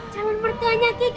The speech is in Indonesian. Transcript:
jangan bertanya kiki